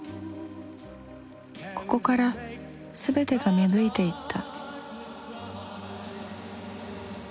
ここから全てが芽吹いていった。